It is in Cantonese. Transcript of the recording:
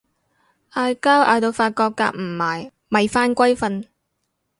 嗌交嗌到發覺夾唔埋咪返歸瞓